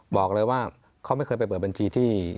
บอกเลยว่าเขาไม่เคยไปเปิดบัญชีที่